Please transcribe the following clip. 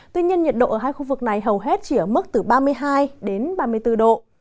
tuy nhiên nhiệt độ ở hai khu vực này hầu hết chỉ ở mức từ ba mươi hai đến ba mươi bốn độ